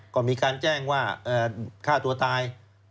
ก็มีการแจ้งว่าฆ่าตัวตาย